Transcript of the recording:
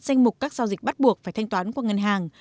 danh mục các giao dịch bắt buộc phải thanh toán qua ngân hàng